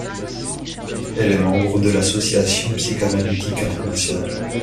Elle est membre de l'Association psychanalytique internationale.